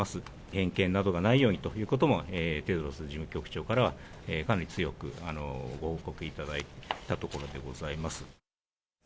偏見がないようになどということもテドロス事務局長からは、かなり強くご報告いただいたところでございます。